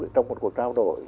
trong một cuộc trao đổi